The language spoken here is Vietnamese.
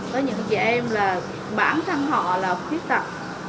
có những chị em là bản thân họ là khuyết tật